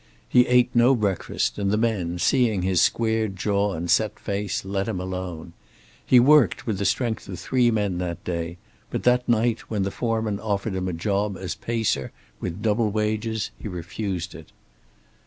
He ate no breakfast, and the men, seeing his squared jaw and set face, let him alone. He worked with the strength of three men that day, but that night, when the foreman offered him a job as pacer, with double wages, he refused it.